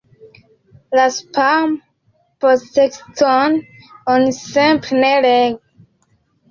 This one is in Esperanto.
La "spamo-"poŝtkeston oni simple ne legu.